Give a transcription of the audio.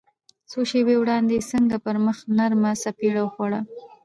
څو شېبې وړاندې يې څنګه پر مخ نرمه څپېړه وخوړه.